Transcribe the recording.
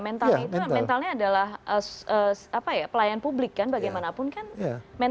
mentalnya itu adalah pelayan publik kan bagaimanapun kan